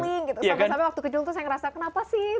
sampai sampai waktu kecil tuh saya ngerasa kenapa sih